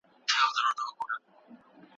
وزیر وویل زما سر ته دي امان وي